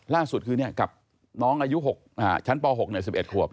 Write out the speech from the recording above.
ล่าสุดคือกับน้องอายุชั้นป๖๑๑ขวบ